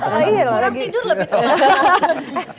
nanti tidur lebih